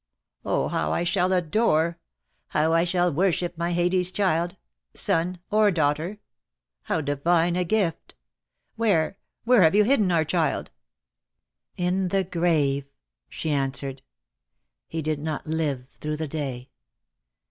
Oh, how I shall adore — how I shall worship my Haidee's child — son or daughter! How divine a gift! Where — where have you hidden our child?" "In the grave," she answered. "He did not live through the day."